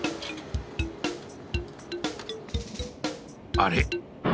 あれ？